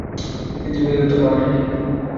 কিন্তু ইমেইলের উত্তর পাওয়া যায়নি।